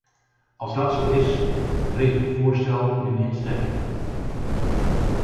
Als dat zo is, breng ik het voorstel nu in stemming.